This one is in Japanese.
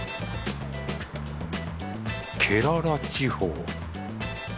ケララ地方。